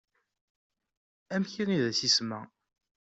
Amek i as-isema?